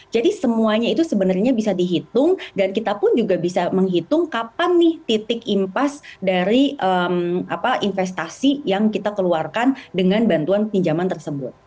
jadi semuanya itu sebenarnya bisa dihitung dan kita pun juga bisa menghitung kapan nih titik impas dari investasi yang kita keluarkan dengan bantuan pinjaman tersebut